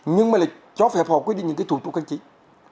nhưng mà lại cho phép họ quy định những thủ tục canh chính